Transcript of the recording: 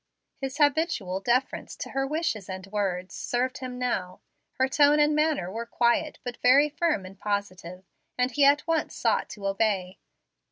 His habitual deference to her wishes and words served him now. Her tone and manner were quiet but very firm and positive, and he at once sought to obey.